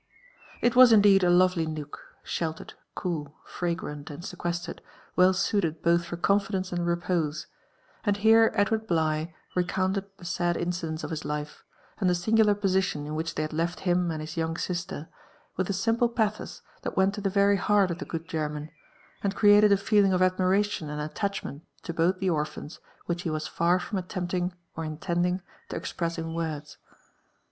It was indeed a lovely noot — sheltered, cool, fragrant and seques tered, well suited both for confidence and repose ; and here Edward Bligh recounted the sad incidents of his life, and the singular position in which they had left him and his young sister, with a simple pathos that went to the very heart of the good German, and created a feeling of admiration and attachment to both the orphans which he was far from attempting or intending to express in words.